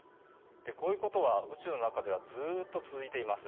こういうことは宇宙の中ではずっと続いています。